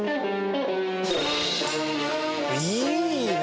いいね！